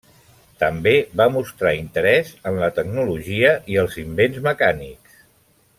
També va mostrar interès en la tecnologia i els invents mecànics.